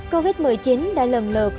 covid một mươi chín đã lần lượt